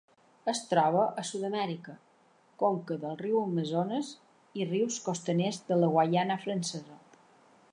Es troba a Sud-amèrica: conca del riu Amazones i rius costaners de la Guaiana Francesa.